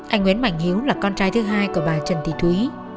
anh nguyễn mạnh hiếu là con trai thứ hai của bà trần thị thúy